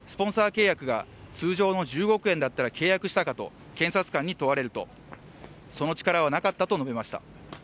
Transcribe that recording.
スポンサー契約が通常の１５億円だったら契約したかと検察官に問われるとその力はなかったと述べました。